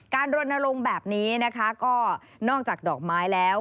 การรนรงค์แบบนี้ก็นอกจากดอกไม้แล้ว